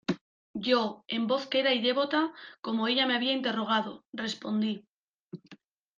yo, en voz queda y devota , como ella me había interrogado , respondí: